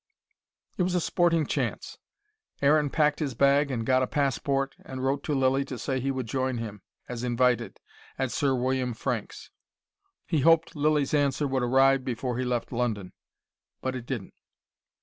It was a sporting chance. Aaron packed his bag and got a passport, and wrote to Lilly to say he would join him, as invited, at Sir William Franks'. He hoped Lilly's answer would arrive before he left London. But it didn't.